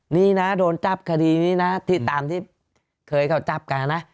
นี่นะโดนจับคดีนี้นะที่ตามที่เคยเขาจับกันนะ